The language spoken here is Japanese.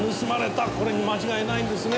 これに間違いないんですね？